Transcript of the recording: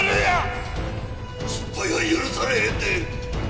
「失敗は許されへんで！」